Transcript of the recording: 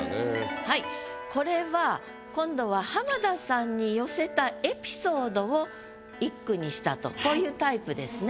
はいこれは今度は浜田さんに寄せたエピソードを一句にしたとこういうタイプですね。